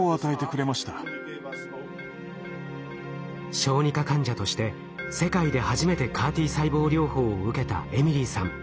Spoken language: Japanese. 小児科患者として世界で初めてＣＡＲ−Ｔ細胞療法を受けたエミリーさん。